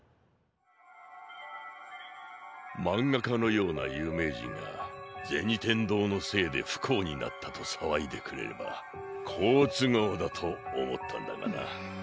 まんがかのような有名人が銭天堂のせいで不幸になったとさわいでくれれば好都合だと思ったんだがな。